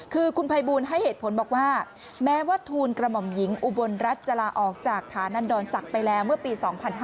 คือคุณภัยบูลให้เหตุผลบอกว่าแม้ว่าทูลกระหม่อมหญิงอุบลรัฐจะลาออกจากฐานันดรศักดิ์ไปแล้วเมื่อปี๒๕๕๙